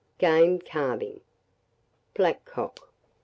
GAME CARVING. BLACKCOCK.